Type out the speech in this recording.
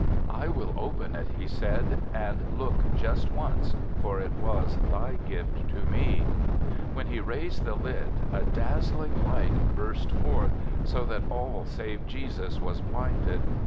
" I will open it," he said, "and look just once, for it was thy gift to me." iWhen he raised the lid, a dazzling light burst forth, so that all save jjesus was blinded.